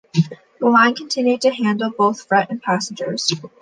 The line continued to handle both freight and passengers.